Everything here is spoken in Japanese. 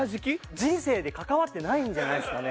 人生で関わってないんじゃないですかね？